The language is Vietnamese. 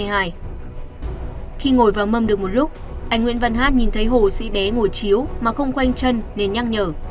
khi ngồi vào mâm được một lúc anh nguyễn văn hát nhìn thấy hồ sĩ bé ngồi chiếu mà không quanh chân nên nhắc nhở